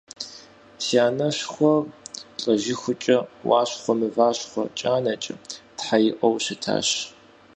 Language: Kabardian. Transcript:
Си анэшхуэр лӏэжыхукӏэ «Уащхъуэ мывэщхъуэ кӏанэкӏэ» тхьэ иӏуэу щытащ.